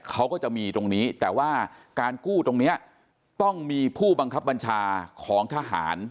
เขาก็จะมีตรงนี้แต่ว่าการกู้ตรงนี้ต้องมีผู้บังคับบัญชาของทหาร